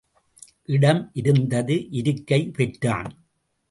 இடம் இருந்தது இருக்கை பெற்றான்.